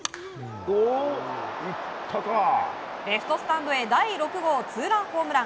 レフトスタンドへ第６号ツーランホームラン！